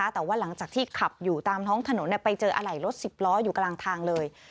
แต่ว่าหลังจากที่ขับอยู่ตามท้องถนนไปเจออะไรรถสิบล้ออยู่กลางทางเลย